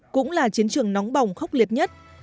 cũng là chiến trường nóng bỏng khốc liệt nhất